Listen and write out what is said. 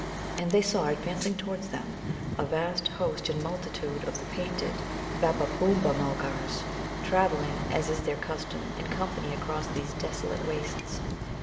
And they saw advancing towards them a vast host and multitude of the painted Babbabōōma mulgars, travelling, as is their custom, in company across these desolate wastes.